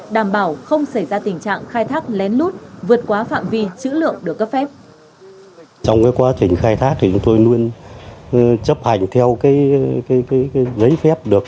đảm bảo không xảy ra tình trạng khai thác lén lút vượt quá phạm vi chữ lượng được cấp phép